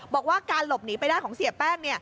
บอกว่าการหลบหนีไปได้ของเสียแป้ง